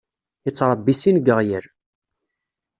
Yettṛebbi sin n yiɣyal.